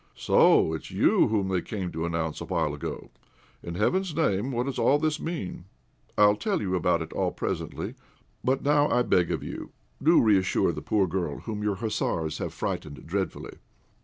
So it's you whom they came to announce a while ago? In heaven's name, what does all this mean?" "I'll tell you all about it presently. But now I beg of you, do reassure the poor girl, whom your hussars have frightened dreadfully."